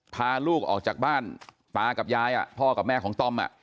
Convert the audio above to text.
พาลูกออกจากบ้านตากับยายพ่อกับแม่ของต้อม